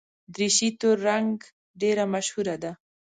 دریشي تور رنګ ډېره مشهوره ده.